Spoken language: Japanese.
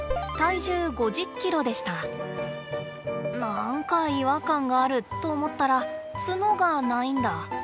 なんか違和感があると思ったら角がないんだ。